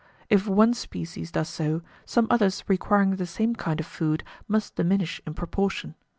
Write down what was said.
If one species does so, some others requiring the same kind of food must diminish in proportion.